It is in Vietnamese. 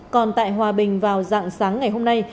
còn tại hòa bình vào dạng sáng ngày hôm nay